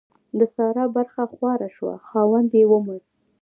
د سارا برخه خواره شوه؛ خاوند يې ومړ.